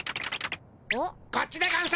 こっちでゴンス。